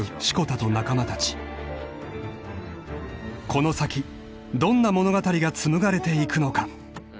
［この先どんな物語が紡がれていくのか？］